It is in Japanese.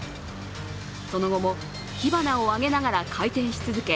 その後も火花を上げながら回転し続け